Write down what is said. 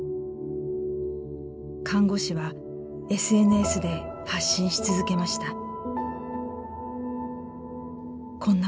看護師はＳＮＳで発信し続けました。